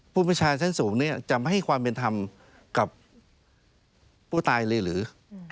ประชาชั้นสูงเนี่ยจะไม่ให้ความเป็นธรรมกับผู้ตายเลยหรือ